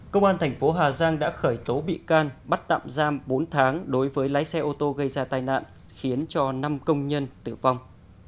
công an thành phố hà giang đã khởi tố bị can bắt tạm giam bốn tháng đối với lái xe ô tô gây ra tai nạn khiến cho năm công nhân tử vong